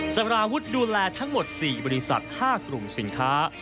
สารวุฒิดูแลทั้งหมด๔บริษัท๕กลุ่มสินค้า